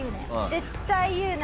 絶対言うな。